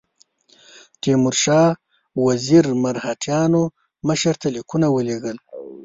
تیمورشاه وزیر مرهټیانو مشر ته لیکونه ولېږل.